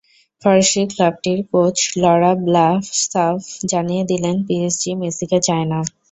ফরাসি ক্লাবটির কোচ লরাঁ ব্লাঁ সাফ জানিয়ে দিলেন, পিএসজি মেসিকে চায় না।